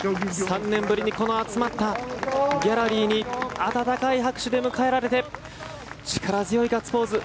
３年ぶりに集まったギャラリーに温かい拍手で迎えられて力強いガッツポーズ。